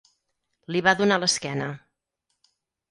Li va donar l'esquena.